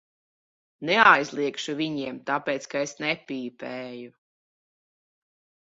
Neaizliegšu viņiem, tāpēc ka es nepīpēju.